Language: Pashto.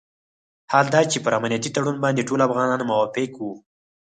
حال دا چې پر امنیتي تړون باندې ټول افغانان موافق وو.